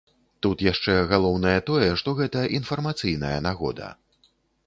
Тут яшчэ галоўнае тое, што гэта інфармацыйная нагода.